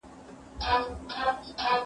زه کتابتوننۍ سره وخت تېروولی دی!